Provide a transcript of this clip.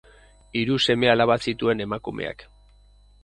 Hiru seme-alaba zituen emakumeak.